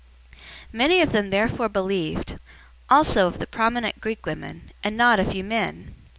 017:012 Many of them therefore believed; also of the prominent Greek women, and not a few men.